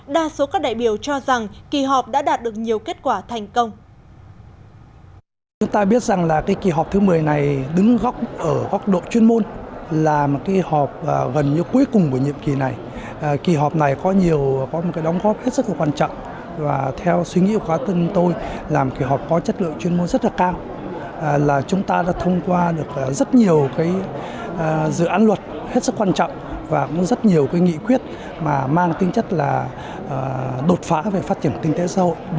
đa số các đại biểu cho rằng kỳ họp đã đạt được nhiều kết quả thành công